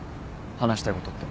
話したいことって。